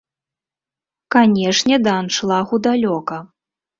Канечне, да аншлагу далёка.